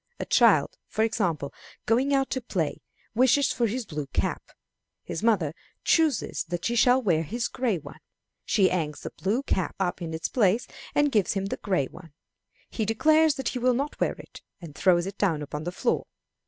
A child, for example, going out to play, wishes for his blue cap. His mother chooses that he shall wear his gray one. She hangs the blue cap up in its place, and gives him the gray one. He declares that he will not wear it, and throws it down upon the floor.